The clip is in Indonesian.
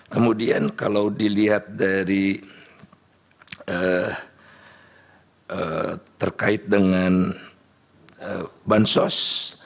kemudian kalau dilihat dari terkait dengan bansos